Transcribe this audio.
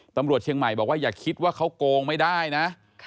ตำรวจเชียงใหม่บอกว่าอย่าคิดว่าเขาโกงไม่ได้นะ